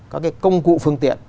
các cái công cụ phương tiện